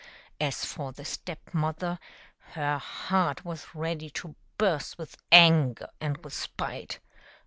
As for the Step mother, her heart was ready to burst with anger and with spite.